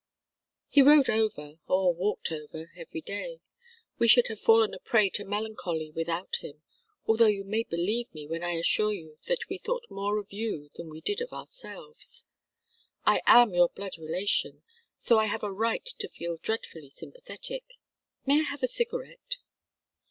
"He rode over, or walked over, every day. We should have fallen a prey to melancholy without him, although you may believe me when I assure you that we thought more of you than we did of ourselves. I am your own blood relation, so I have a right to feel dreadfully sympathetic may I have a cigarette?"